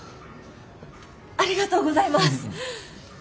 ありがとうございます。